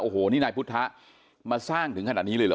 โอ้โหนี่นายพุทธะมาสร้างถึงขนาดนี้เลยเหรอ